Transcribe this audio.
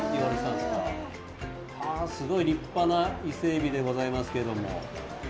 すごい、立派な伊勢えびでございますけど。